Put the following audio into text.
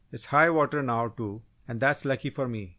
"It's high water now, too, and that's lucky for me!"